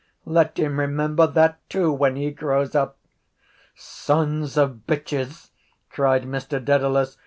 Let him remember that too when he grows up. —Sons of bitches! cried Mr Dedalus.